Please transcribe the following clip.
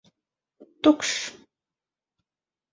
Tukšs!